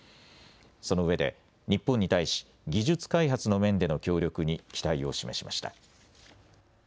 そのうえで日本に対し技術開発の面での協力に期待を示しました。